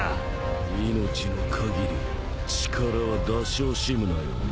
命のかぎり力は出し惜しむなよ。